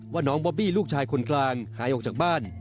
น้องบอบบี้ลูกชายคนกลางหายออกจากบ้าน